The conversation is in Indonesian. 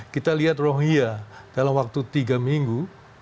kita lihat rohia dalam waktu tiga minggu